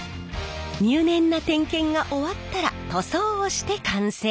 入念な点検が終わったら塗装をして完成！